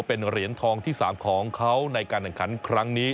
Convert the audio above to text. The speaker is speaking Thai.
เป็นเหรียญทองที่๓ของเขาในการแข่งขันครั้งนี้